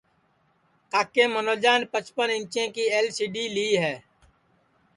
کاکے منوجان پچپن اینچیں کی ال سی ڈی لی ہے